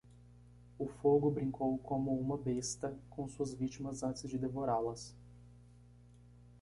O fogo brincou como uma besta com suas vítimas antes de devorá-las.